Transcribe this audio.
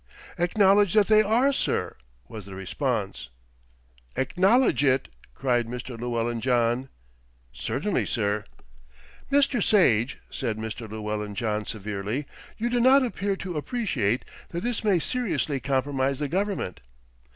"Acknowledge that they are, sir," was the response. "Acknowledge it!" cried Mr. Llewellyn John. "Certainly, sir." "Mr. Sage," said Mr. Llewellyn John severely, "you do not appear to appreciate that this may seriously compromise the Government."